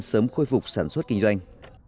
sớm khôi phục sản xuất kinh doanh